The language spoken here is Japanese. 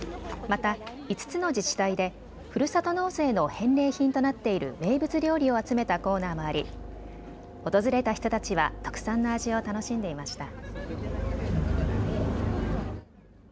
また５つの自治体でふるさと納税の返礼品となっている名物料理を集めたコーナーもあり訪れた人たちは特産の味を楽しんでいました。